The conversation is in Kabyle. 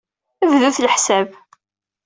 Bdut leḥsab.